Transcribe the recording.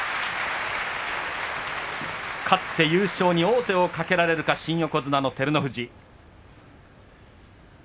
勝って優勝に王手をかけられるか新横綱の照ノ富士。